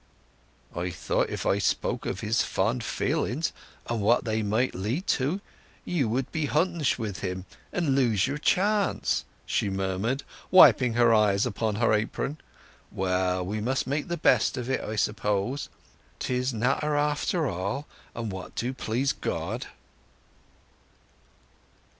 "I thought if I spoke of his fond feelings and what they might lead to, you would be hontish wi' him and lose your chance," she murmured, wiping her eyes with her apron. "Well, we must make the best of it, I suppose. 'Tis nater, after all, and what do please God!"